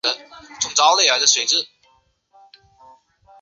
长岛县以长山岛得名。